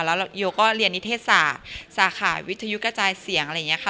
แล้วโยก็เรียนนิเทศศาสตร์สาขาวิทยุกระจายเสียงอะไรอย่างนี้ค่ะ